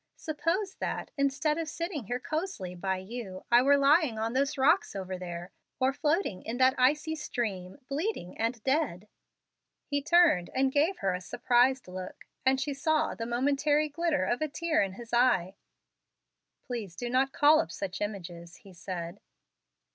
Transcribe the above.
Suppose that, instead of sitting here cosily by you, I were lying on those rocks over there, or floating in that icy stream bleeding and dead?" He turned and gave her a surprised look, and she saw the momentary glitter of a tear in his eye. "Please do not call up such images," he said.